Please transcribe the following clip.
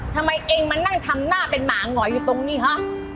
ทำไมเองมานั่งทำหน้าเป็นหมาหงอยอยู่ตรงนี้ฮะ